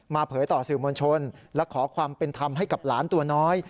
เผยต่อสื่อมวลชนและขอความเป็นธรรมให้กับหลานตัวน้อย